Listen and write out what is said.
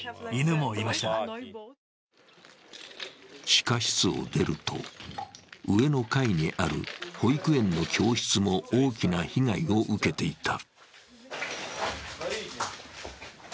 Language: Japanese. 地下室を出ると、上の階にある保育園の教室も大きな被害を受けていた。